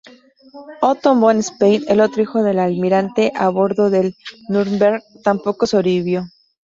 Otto von Spee, el otro hijo del almirante a bordo del "Nürnberg", tampoco sobrevivió.